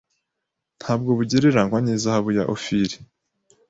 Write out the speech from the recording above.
Ntabwo bugereranywa n izahabu ya Ofiri